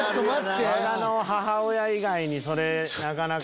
和田の母親以外にそれなかなか。